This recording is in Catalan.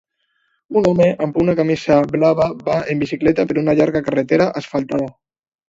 Un home amb una camisa blava va en bicicleta per una llarga carretera asfaltada.